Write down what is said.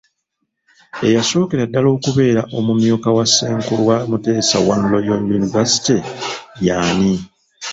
Eyasookera ddala okubeera omumyuka wa ssenkulu wa Muteesa I Royal University y’ani?